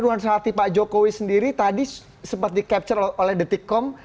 nuansa hati pak jokowi sendiri tadi sempat di capture oleh detikkom